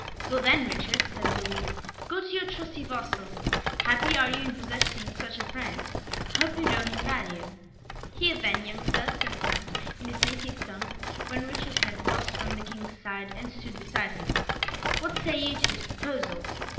"Go then, Richard," said Louis, "go to your trusty vassal happy are you in possessing such a friend; I hope you know his value." "Here then, young Sir," said the Count, in his native tongue, when Richard had crossed from the King's side, and stood beside him, "what say you to this proposal?"